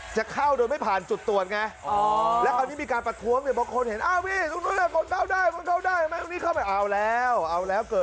จะเข้าโดยไม่ผ่านจุดตรวจไง